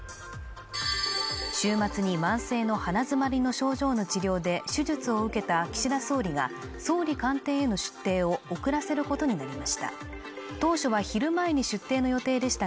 週末に慢性の鼻づまりの症状の治療で手術を受けた岸田総理が総理官邸への出廷を遅らせる事になりました